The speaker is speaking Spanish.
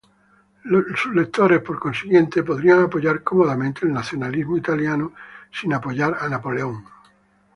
Sus lectores, por consiguiente, podrían apoyar cómodamente al nacionalismo italiano sin apoyar a Napoleón.